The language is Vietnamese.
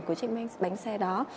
của chiếc mánh xe đó